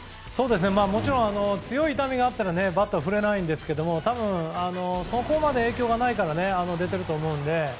もちろん強い痛みがあったらバットは振れないんですがそこまで影響がないから出ていると思うので。